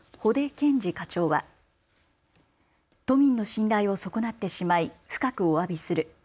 憲治課長は都民の信頼を損なってしまい深くおわびする。